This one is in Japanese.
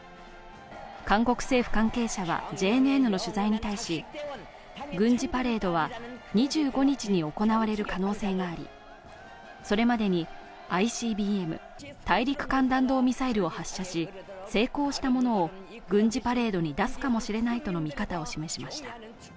韓国政府関係者はＪＮＮの取材に対し軍事パレードは２５日に行われる可能性があり、それまでにＩＣＢＭ＝大陸間弾道ミサイルを発射し、成功したものを軍事パレードに出すかもしれないとの見方を示しました。